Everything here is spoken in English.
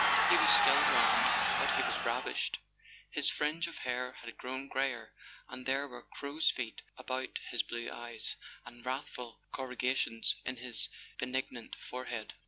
He was still round, but he was ravaged. His fringe of hair had grown greyer, and there were crow's feet about his blue eyes, and wrathful corrugations in his benignant forehead.